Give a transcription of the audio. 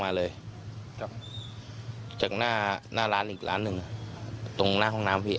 มาเลยครับจากหน้าหน้าร้านอีกร้านหนึ่งตรงหน้าห้องน้ำพี่